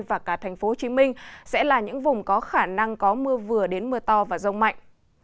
và cả thành phố hồ chí minh sẽ là những vùng có khả năng có mưa vừa đến mưa to và rông mạnh